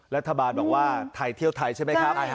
รัฐบาลบอกว่าไทยเที่ยวไทยใช่ไหมครับ